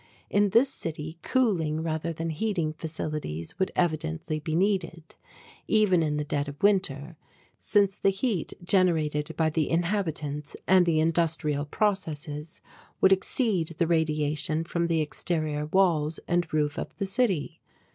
In this city cooling rather than heating facilities would evidently be needed, even in the dead of winter, since the heat generated by the inhabitants and the industrial processes would exceed the radiation from the exterior walls and roof of the city.